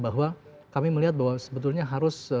bahwa kami melihat bahwa sebetulnya harus